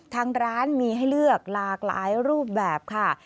ทางร้านมีให้เลือกหลากหลายรูปแบบค่ะ